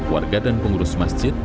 warga dan pengurus masjid